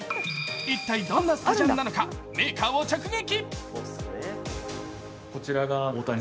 一体どんなスタジャンなのかメーカーを直撃。